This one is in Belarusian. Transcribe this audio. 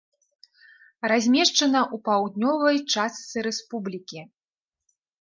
Размешчана ў паўднёвай частцы рэспублікі.